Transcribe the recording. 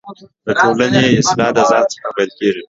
دټولنۍ اصلاح دځان څخه پیل کیږې